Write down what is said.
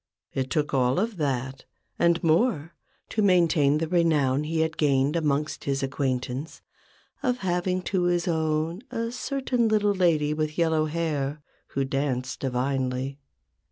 It took all of that, and more, to maintain the renown he had gained amongst his acquaintance of having to his own a certain little lady with yellow hair, who danced divinely.